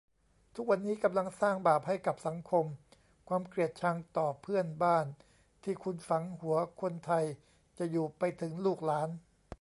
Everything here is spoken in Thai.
ทุกวันนี้กำลังสร้างบาปให้กับสังคม ความเกลียดชังต่อเพื่อนบ้านที่คุณฝังหัวคนไทยจะอยู่ไปถึงลูกหลาน